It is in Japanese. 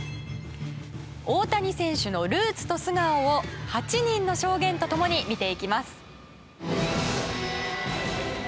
大谷選手のルーツと素顔を８人の証言と共に見ていきます。